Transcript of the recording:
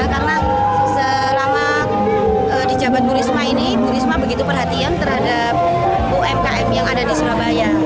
karena selama di jabat bu risma ini bu risma begitu perhatian terhadap umkm yang ada di surabaya